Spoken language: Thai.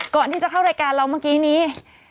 ก่อนที่จะเข้ารายการเราเมื่อกี้นี้